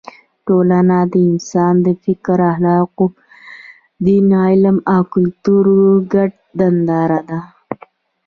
ټولنه د انسان د فکر، اخلاقو، دین، علم او کلتور ګډه ننداره ده.